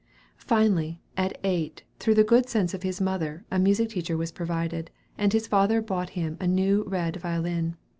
] Finally, at eight, through the good sense of his mother, a music teacher was provided, and his father bought him a new red violin.